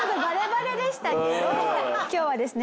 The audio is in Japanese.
今日はですね